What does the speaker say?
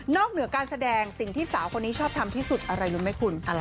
เหนือการแสดงสิ่งที่สาวคนนี้ชอบทำที่สุดอะไรรู้ไหมคุณ